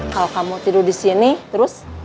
kalau kamu tidur di sini terus